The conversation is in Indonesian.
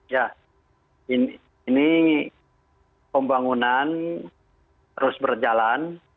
ya ini pembangunan terus berjalan